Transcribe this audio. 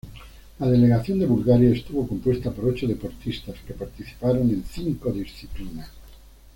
La delegación de Bulgaria estuvo compuesta por ocho deportistas que participaron en cinco disciplinas.